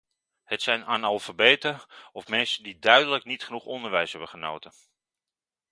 Het zijn analfabeten of mensen die duidelijk niet genoeg onderwijs hebben genoten.